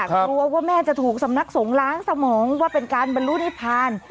กลัวว่าแม่จะถูกสำนักสงฆ์ล้างสมองว่าเป็นการบรรลุนิพาน